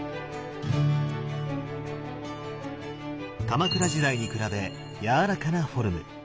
鎌倉時代に比べやわらかなフォルム。